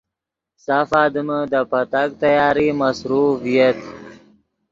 سف آدمے دے پتاک تیاری مصروف ڤییت